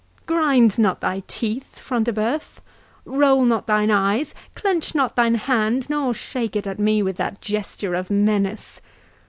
—Grind not thy teeth, Front de Bœuf—roll not thine eyes—clench not thine hand, nor shake it at me with that gesture of menace!